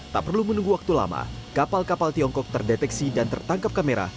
tak perlu menunggu waktu lama kapal kapal tiongkok terdeteksi dan tertangkap kamera